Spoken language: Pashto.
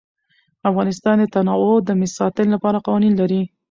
افغانستان د تنوع د ساتنې لپاره قوانین لري.